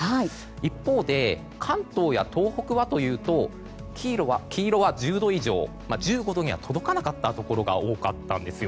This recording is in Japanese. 一方で関東や東北はというと黄色は１０度以上１５度には届かなったところが多かったんですよ。